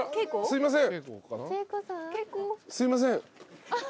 すいません。